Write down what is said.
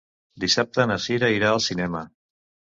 Dissabte na Sira irà al cinema.